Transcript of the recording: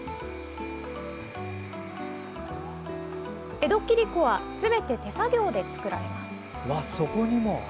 江戸切子はすべて手作業で作られます。